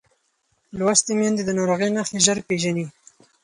لوستې میندې د ناروغۍ نښې ژر پېژني.